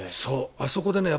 あそこでね。